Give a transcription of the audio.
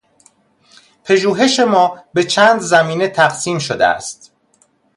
پژوهش ما به چند زمینه تقسیم شده است.